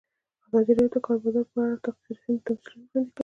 ازادي راډیو د د کار بازار په اړه تاریخي تمثیلونه وړاندې کړي.